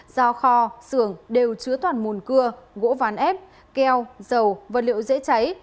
do kho xưởng đều chứa toàn mùn cưa gỗ ván ép keo dầu vật liệu dễ cháy